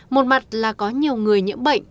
một mặt là có nhiều người nhiễm bệnh